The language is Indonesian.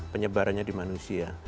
penyebarannya di manusia